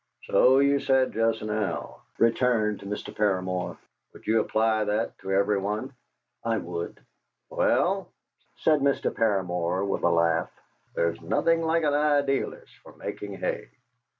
"So you said just now," returned Mr. Paramor. "Would you apply that to everyone?" "I would." "Well," said Mr. Paramor with a laugh, "there is nothing like an idealist for making hay!